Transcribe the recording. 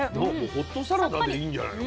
ホットサラダでいいんじゃないの？